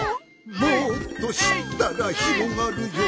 「もっとしったらひろがるよ」